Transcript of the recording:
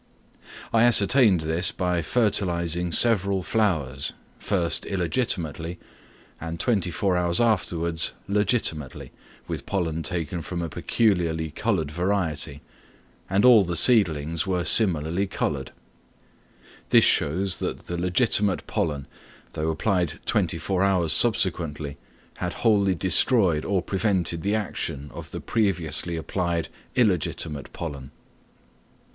I ascertained this by fertilising several flowers, first illegitimately, and twenty four hours afterwards legitimately, with pollen taken from a peculiarly coloured variety, and all the seedlings were similarly coloured; this shows that the legitimate pollen, though applied twenty four hours subsequently, had wholly destroyed or prevented the action of the previously applied illegitimate pollen.